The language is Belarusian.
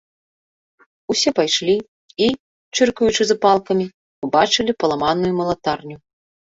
Усе пайшлі і, чыркаючы запалкамі, убачылі паламаную малатарню.